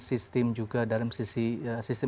sistem juga dalam sisi